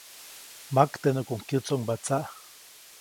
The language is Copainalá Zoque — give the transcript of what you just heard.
Maktenuʼkuŋ kyätsoʼŋba tsaʼ.